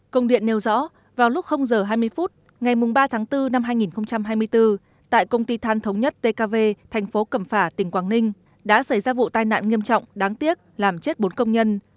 công điện nêu rõ vào lúc h hai mươi phút ngày ba tháng bốn năm hai nghìn hai mươi bốn tại công ty than thống nhất tkv thành phố cẩm phả tỉnh quảng ninh đã xảy ra vụ tai nạn nghiêm trọng đáng tiếc làm chết bốn công nhân